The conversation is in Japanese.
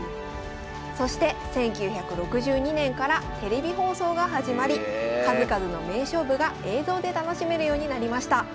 そして１９６２年からテレビ放送が始まり数々の名勝負が映像で楽しめるようになりました。